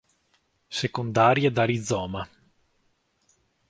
Secondarie da rizoma.